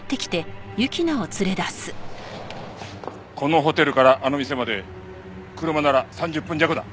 このホテルからあの店まで車なら３０分弱だ。